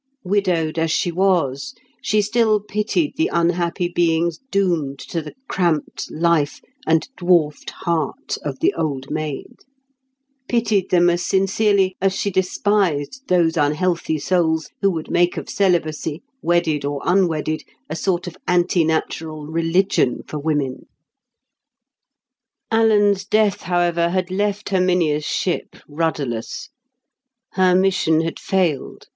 Widowed as she was, she still pitied the unhappy beings doomed to the cramped life and dwarfed heart of the old maid; pitied them as sincerely as she despised those unhealthy souls who would make of celibacy, wedded or unwedded, a sort of anti natural religion for women. Alan's death, however, had left Herminia's ship rudderless. Her mission had failed.